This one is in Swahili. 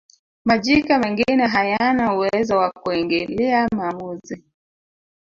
majike mengine hayana uwezo wa kuingilia maamuzi